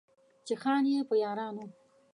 چې خان يې، په يارانو